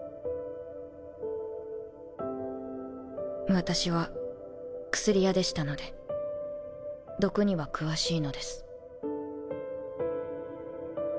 私は薬屋でしたので毒には詳しいのです。